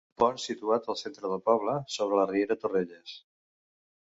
Pont situat al centre del poble, sobre la riera Torrelles.